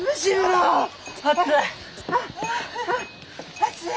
暑い。